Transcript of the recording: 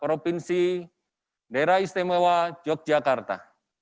provinsi daerah istimewa yogyakarta